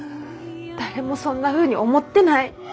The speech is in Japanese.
誰もそんなふうに思ってない。